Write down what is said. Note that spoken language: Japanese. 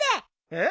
えっ？